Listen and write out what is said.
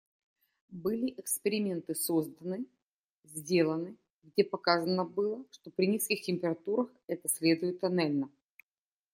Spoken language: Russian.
Были эксперименты созданы, сделаны, где показано было, что при низких температурах это следует тоннельно.